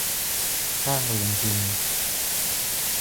ช่างเรียงพิมพ์